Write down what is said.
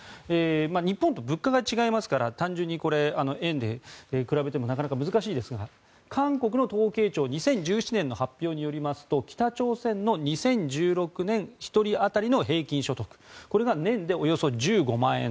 日本と物価が違いますから単純に円で比べてもなかなか難しいですが韓国の統計庁２０１７年の発表によりますと北朝鮮の２０１６年１人当たりの平均所得が年でおよそ１５万円。